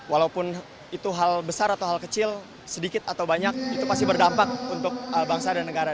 walaupun itu hal besar atau hal kecil sedikit atau banyak itu pasti berdampak untuk bangsa dan negara